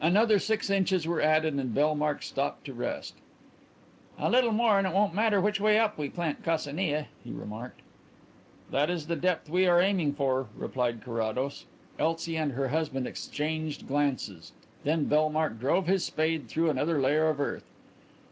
Another six inches were added and Bellmark stopped to rest. "A little more and it won't matter which way up we plant Coccinea," he remarked. "That is the depth we are aiming for," replied Carrados. Elsie and her husband exchanged glances. Then Bellmark drove his spade through another layer of earth.